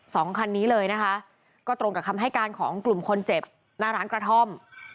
สองคันนี้เลยนะคะก็ตรงกับคำให้การของกลุ่มคนเจ็บหน้าร้านกระท่อม